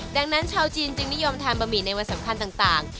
ดังนั้นชาวจีนจึงนิยมทานบะหมี่ในวันสำคัญต่าง